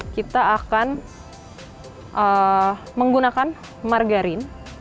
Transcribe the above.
kita akan menggunakan margarin